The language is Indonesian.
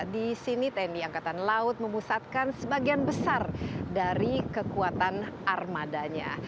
di sini tni angkatan laut memusatkan sebagian besar dari kekuatan armadanya